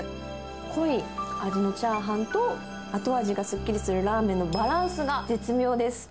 濃い味のチャーハンと、後味がすっきりするラーメンのバランスが絶妙です。